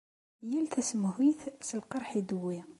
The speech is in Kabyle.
Yal tasemhuyt s lqerḥ i d-tewwi.